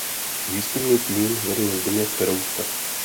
Výzkumný tým vedl Zdeněk Peroutka.